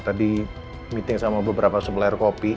tadi meeting sama beberapa sebelah air kopi